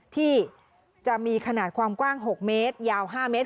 ที่จะมีขนาดความกว้าง๖เมตรยาว๕เมตร